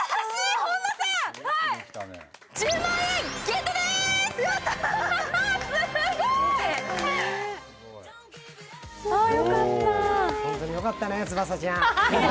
本当によかったね、翼ちゃん。